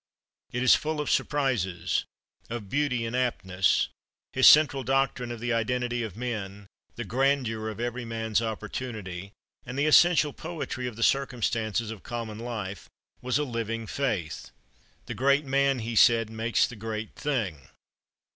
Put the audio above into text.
It is full of surprises of beauty and aptness. His central doctrine of the identity of men, the grandeur of every man's opportunity, and the essential poetry of the circumstances of common life, was a living faith. "The great man," he said, "makes the great thing."